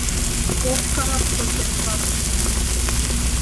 Ош карап почеш вашкен.